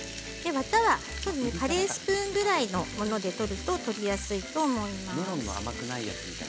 カレースプーンぐらいのもので取ると取りやすいと思います。